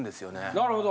なるほど。